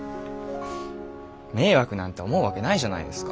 迷惑なんて思うわけないじゃないですか。